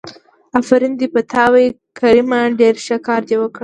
آفرين دې په تا وي کريمه ډېر ښه کار دې وکړ.